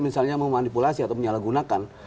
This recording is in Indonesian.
misalnya memanipulasi atau menyalahgunakan